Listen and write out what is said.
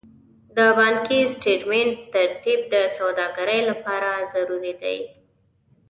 د بانکي سټېټمنټ ترتیب د سوداګرۍ لپاره ضروري دی.